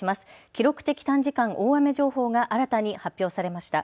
記録的短時間大雨情報が新たに発表されました。